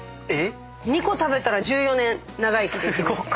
２個食べたら１４年長生きできる。